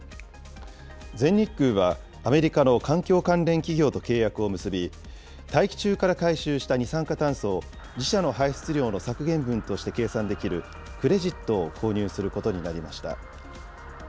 全日空は、アメリカの環境関連企業と契約を結び、大気中から回収した二酸化炭素を自社の排出量の削減分として計算できるクレジットを購入することになりました。